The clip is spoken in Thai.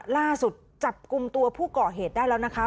ล่าสุดจับกลุ่มตัวผู้ก่อเหตุได้แล้วนะคะ